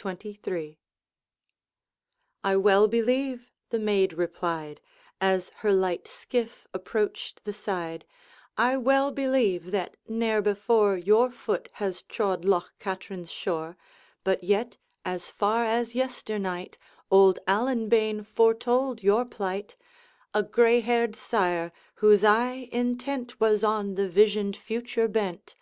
XXIII. 'I well believe,' the maid replied, As her light skiff approached the side, 'I well believe, that ne'er before Your foot has trod Loch Katrine's shore But yet, as far as yesternight, Old Allan bane foretold your plight, A gray haired sire, whose eye intent Was on the visioned future bent.